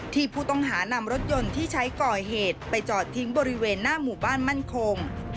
ผู้ต้องหานำรถยนต์ที่ใช้ก่อเหตุไปจอดทิ้งบริเวณหน้าหมู่บ้านมั่นคง